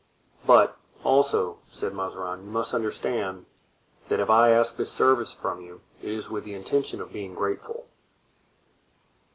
"But, also," said Mazarin, "you must understand that if I ask this service from you it is with the intention of being grateful."